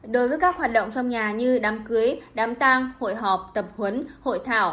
đối với các hoạt động trong nhà như đám cưới đám tang hội họp tập huấn hội thảo